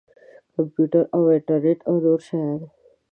کمپیوټر او انټرنټ او نور شیان.